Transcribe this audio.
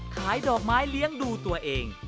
ดอกไม้เลี้ยงดูตัวเอง